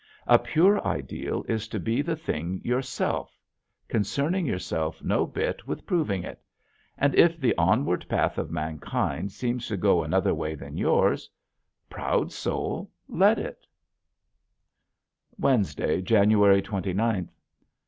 A pure ideal is to be the thing yourself, concerning yourself no bit with proving it. And if the onward path of mankind seems to go another way than yours proud soul, let it. [Illustration: FROZEN FALL] Wednesday, January twenty ninth.